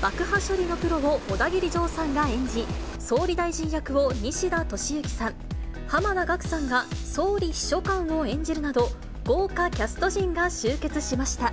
爆破処理のプロをオダギリジョーさんが演じ、総理大臣役を西田敏行さん、濱田岳さんが総理秘書官を演じるなど、豪華キャスト陣が集結しました。